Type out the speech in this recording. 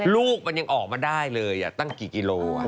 ลูกมันยังออกมาได้เลยตั้งกี่กิโล